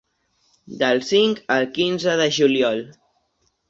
Del cinc al quinze de juliol.